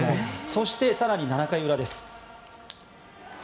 そして更に７回裏です。